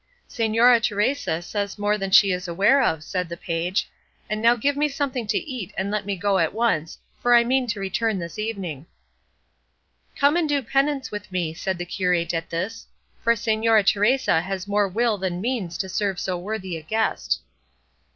"Señora Teresa says more than she is aware of," said the page; "and now give me something to eat and let me go at once, for I mean to return this evening." "Come and do penance with me," said the curate at this; "for Señora Teresa has more will than means to serve so worthy a guest."